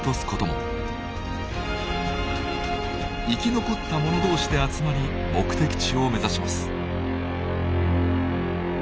生き残った者同士で集まり目的地を目指します。